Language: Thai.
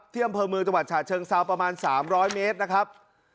เที่ยมเผลอมือจังหวัดฉาเชิงเซาประมาณสามร้อยเมตรนะครับ